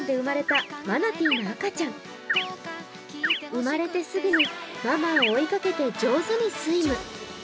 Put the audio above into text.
生まれてすぐにママを追いかけて上手にスイム。